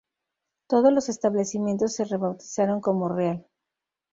Todos los establecimientos se rebautizaron como Real.